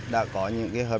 đã có những cái hợp